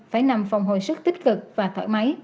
phải nằm phòng hồi sức tích cực và thoải mái